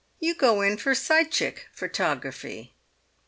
"You go in for psychic photography."